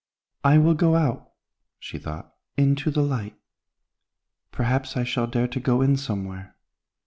"I will go out," she thought, "into the light. Perhaps I shall dare to go in somewhere.